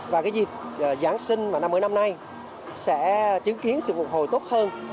và dịp giáng sinh năm mới năm nay sẽ chứng kiến sự phục hồi tốt hơn